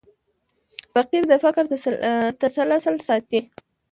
فقره د فکر تسلسل ساتي.